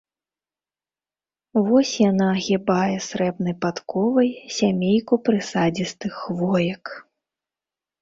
Вось яна агібае срэбнай падковай сямейку прысадзістых хвоек.